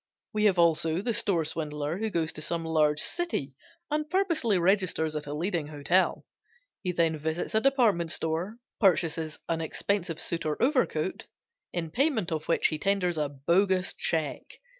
We have also the store swindler who goes to some large city and purposely registers at a leading hotel. He then visits a department store, purchases an expensive suit or overcoat, in payment of which he tenders a bogus check.